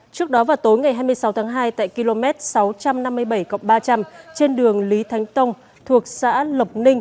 trước đó vào tối ngày hai mươi sáu tháng hai tại km sáu trăm năm mươi bảy ba trăm linh trên đường lý thánh tông thuộc xã lộc ninh